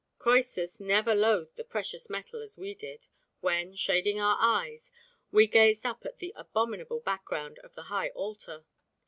Croesus never loathed the precious metal as we did, when, shading our eyes, we gazed up at the abominable background of the High Altar.